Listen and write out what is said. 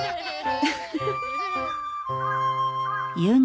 ウフフフ。